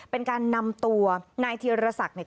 เป็นการนำตัวนายเทียรศักดิ์เนี่ย